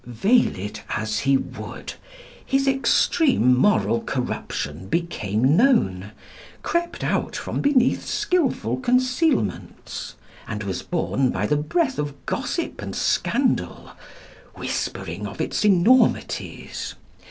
" Veil it as he would, his extreme moral corruption became known, crept out from behind skilful concealments, and was borne by the breath of gossip and scandal whispering of its enormities.